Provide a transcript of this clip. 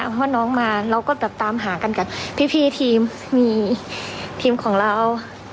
เพราะว่าน้องมาเราก็แบบตามหากันกับพี่ทีมมีทีมของเรา